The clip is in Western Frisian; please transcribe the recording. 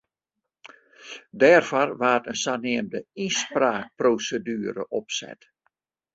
Dêrfoar waard in saneamde ynspraakproseduere opset.